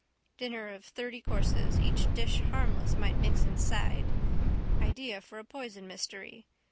Dinner of thirty courses. Each dish harmless might mix inside. Idea for a poison mystery.